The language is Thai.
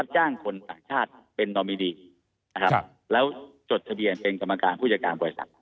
จ้างคนต่างชาติเป็นนอมินีนะครับแล้วจดทะเบียนเป็นกรรมการผู้จัดการบริษัท